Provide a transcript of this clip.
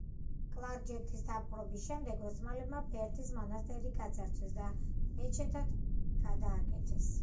კლარჯეთის დაპყრობის შემდეგ ოსმალებმა ბერთის მონასტერი გაძარცვეს და მეჩეთად გადააკეთეს.